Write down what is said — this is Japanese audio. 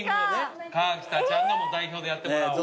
河北ちゃんが代表でやってもらおう。